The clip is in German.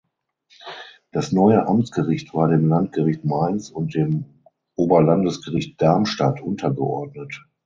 Das neue Amtsgericht war dem Landgericht Mainz und dem Oberlandesgericht Darmstadt untergeordnet.